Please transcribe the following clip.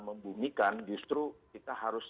membumikan justru kita harus